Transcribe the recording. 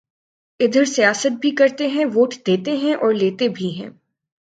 ا دھر سیاست بھی کرتے ہیں ووٹ دیتے ہیں اور لیتے بھی ہیں